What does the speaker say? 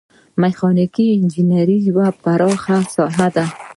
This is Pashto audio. میخانیکي انجنیری یوه پراخه ساحه ده.